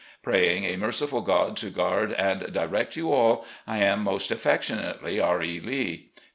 Praying a merciful God to g^uard and direct you all, I am, "Most affectionately, R. E. Lee.